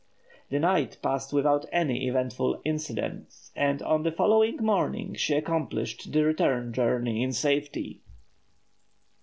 The night passed without any eventful incident, and on the following morning she accomplished the return journey in safety.